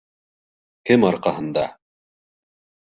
Кем арҡаһында?